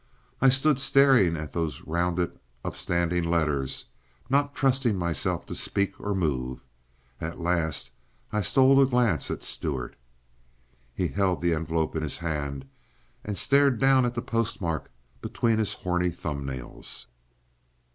I stood staring at those rounded upstanding letters, not trusting myself to speak or move. At last I stole a glance at Stuart. He held the envelope in his hand, and stared down at the postmark between his horny thumbnails.